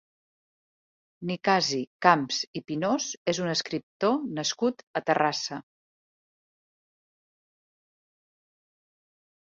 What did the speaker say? Nicasi Camps i Pinós és un escriptor nascut a Terrassa.